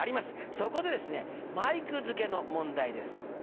そこで前句付けの問題です。